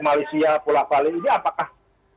malaysia pulau bali ini apakah